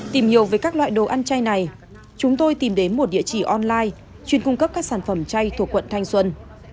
tìm hiểu về các loại đồ ăn chay này chúng tôi tìm đến một địa chỉ online chuyên cung cấp các sản phẩm chay thuộc quận thanh xuân